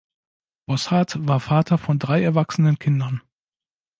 Bosshard war Vater von drei erwachsenen Kindern.